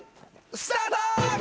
スタート！